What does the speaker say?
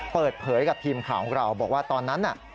เปิดเผยกับทีมข่าวของเราบอกว่าตอนนั้นน่ะ